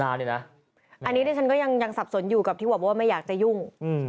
อันนี้ดิฉันก็ยังสับสนอยู่กับที่บอกว่าไม่อยากจะยุ่ง